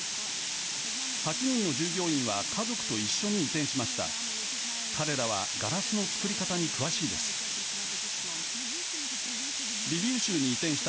８人の従業員は家族と一緒に移転しました。